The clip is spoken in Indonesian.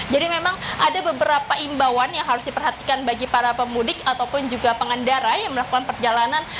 jadi memang ada beberapa imbauan yang harus diperhatikan bagi para pemudik ataupun juga pengendara yang melakukan perjalanan